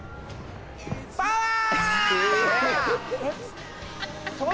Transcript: パワー！